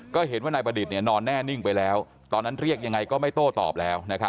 ก็เห็นว่านายประดิษฐ์นอนแน่นิ่งไปแล้วตอนนั้นเรียกยังไงก็ไม่โต้ตอบแล้ว